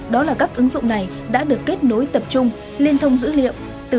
đó là các ứng dụng này đã được kết nối tập trung liên thông dữ liệu